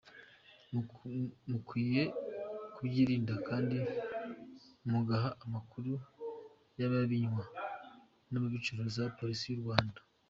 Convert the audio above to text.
Mukwiye kubyirinda kandi mugaha amakuru y’ababinywa n’ababicuruza Polisi y’u Rwanda.